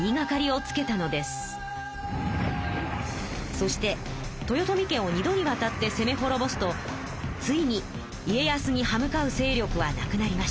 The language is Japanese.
そして豊臣家を二度にわたってせめほろぼすとついに家康に歯向かう勢力は無くなりました。